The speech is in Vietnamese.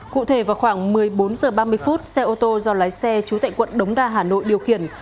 cụ thể vào khoảng một mươi bốn h ba mươi xe ô tô do lái xe chú tại quận đống đa hà nội điều khiển